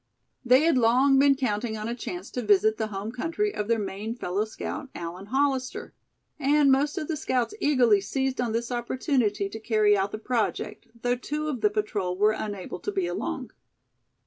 They had long been counting on a chance to visit the home country of their Maine fellow scout, Allan Hollister; and most of the scouts eagerly seized on this opportunity to carry out the project, though two of the patrol were unable to be along.